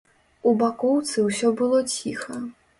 У бакоўцы ўсё было ціха.